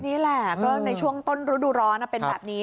นี่แหละก็ในช่วงต้นฤดูร้อนเป็นแบบนี้